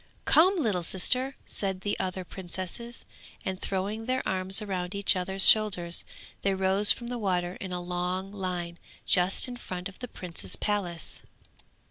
'Come, little sister!' said the other princesses, and, throwing their arms round each other's shoulders, they rose from the water in a long line, just in front of the prince's palace.